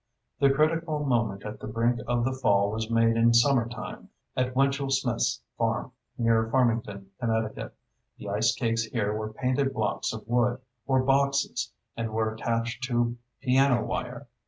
The critical moment at the brink of the fall was made in summer time, at Winchell Smith's farm, near Farmington, Connecticut. The ice cakes here were painted blocks of wood, or boxes, and were attached to piano wire.